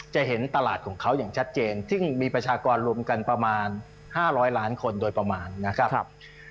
จะเห็นตลาดของเขาอย่างชัดเจนซึ่งมีประชากรรวมกันประมาณ๕๐๐ล้านคนโดยประมาณนะครับ